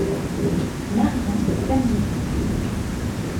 Marion d'Amiens.